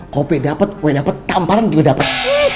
kopi dapet kue dapet tamparan juga dapet